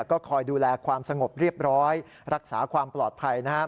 ก็คอยดูแลความสงบเรียบร้อยรักษาความปลอดภัยนะครับ